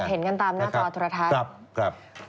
เห็นกันตามหน้าจอโทรทัศน์